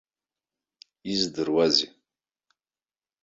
Издыруазеи?